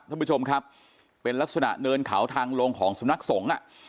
ท่านผู้ชมครับเป็นลักษณะเนินเขาทางลงของสำนักสงฆ์อ่ะ